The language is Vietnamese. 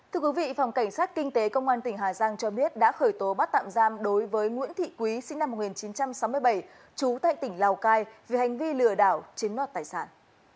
thưa quý vị phòng cảnh sát kinh tế công an tỉnh hà giang cho biết đã khởi tố bắt tạm giam đối với nguyễn thị quý sinh năm một nghìn chín trăm sáu mươi bảy trú tại tỉnh lào cai về hành vi lừa đảo chiếm đoạt tài sản